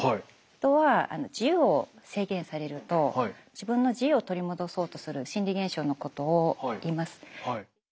人は自由を制限されると自分の自由を取り戻そうとする心理現象のことをいいます。